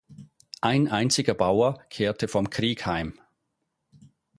Ein einziger Bauer kehrte vom Krieg heim.